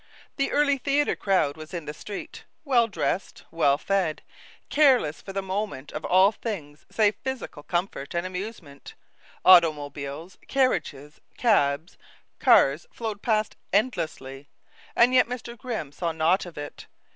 The early theater crowd was in the street, well dressed, well fed, careless for the moment of all things save physical comfort and amusement; automobiles, carriages, cabs, cars flowed past endlessly; and yet Mr. Grimm saw naught of it.